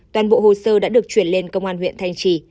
toàn bộ hồ sơ đã được chuyển lên công an huyện thanh trì